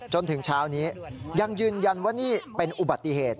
จนถึงเช้านี้ยังยืนยันว่านี่เป็นอุบัติเหตุ